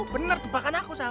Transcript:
benar tebakan aku sam